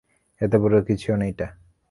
এত বড় কিছুও না এটা।